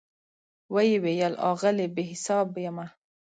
وی ویل آغلې , بي حساب یمه